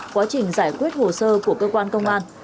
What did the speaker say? quá trình giải quyết hồ sơ của cơ quan công an